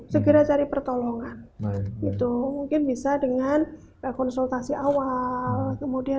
segera cari pertolongan gitu mungkin bisa dengan konsultasi awal gitu ya